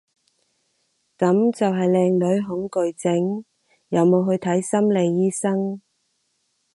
噉就係靚女恐懼症，有冇去睇心理醫生？